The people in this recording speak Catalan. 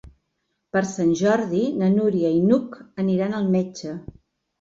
Per Sant Jordi na Núria i n'Hug aniran al metge.